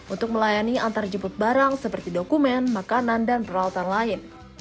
untuk melayani antarjemput barang seperti dokumen makanan dan peralatan lain